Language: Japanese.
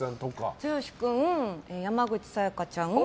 剛君、山口紗弥加ちゃん